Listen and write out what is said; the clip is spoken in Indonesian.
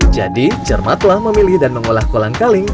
cermatlah memilih dan mengolah kolang kaling